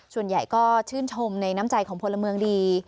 ส่วนใหญ่ก็ชื่นชมในน้ำใจของพลเมืองดี